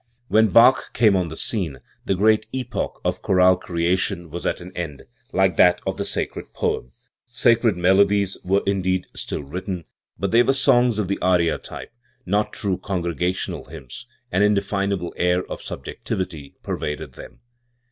When Bach came on the scene, the great epoch of chorale creation was at an end, like that of the sacred poem, Sacred melodies were indeed still written; but they were songs of the aria type, not true congregational hymns; an inde finable air of subjectivity pervaded them.